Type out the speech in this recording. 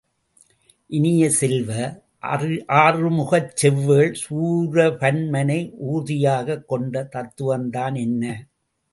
இனிய செல்வ, அறுமுகச்செவ்வேள் சூரபன்மனை ஊர்தியாகக் கொண்ட தத்துவம்தான் என்ன?